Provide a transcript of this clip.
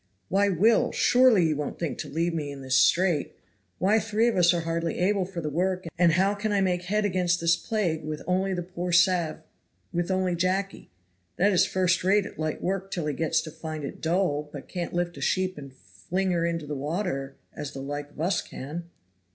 "Why, Will! surely you won't think to leave me in this strait? Why three of us are hardly able for the work, and how can I make head against this plague with only the poor sav with only Jacky, that is first rate at light work till he gets to find it dull but can't lift a sheep and fling her into the water, as the like of us can?"